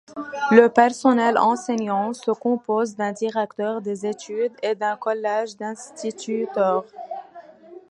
Le personnel enseignant se compose d’un directeur des études et d’un collège d’instituteurs.